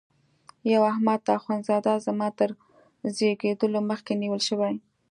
یو احمد اخوند زاده زما تر زیږېدلو مخکي نیول شوی.